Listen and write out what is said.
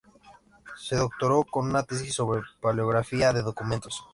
Se doctoró con una tesis sobre paleografía de documentos.